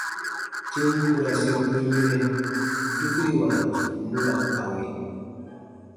Tim ku ra sekuru yinɛ, dukiriwa mu ra kawe.